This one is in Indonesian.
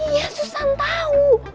iya susann tau